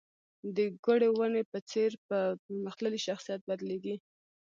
د ګورې ونې په څېر په پرمختللي شخصیت بدلېږي.